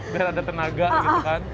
biar ada tenaga gitu kan